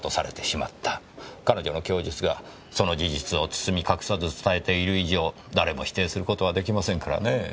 彼女の供述がその事実を包み隠さず伝えている以上誰も否定する事は出来ませんからねぇ。